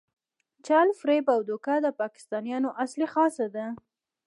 چل، فریب او دوکه د پاکستانیانو اصلي خاصه ده.